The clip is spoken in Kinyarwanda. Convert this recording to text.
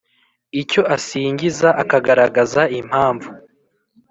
icyo asingiza, akagaragaza impamvu